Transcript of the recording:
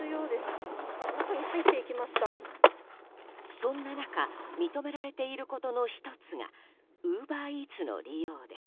そんな中認められていることの１つがウーバーイーツの利用です。